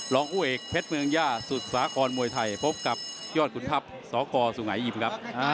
คู่เอกเพชรเมืองย่าสุดสากรมวยไทยพบกับยอดขุนทัพสกสุงหายิมครับ